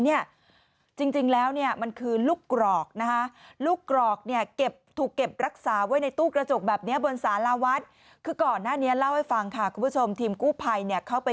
ไปเที่ยมเผอร์พิมายจังหวัดนครราชศรีมา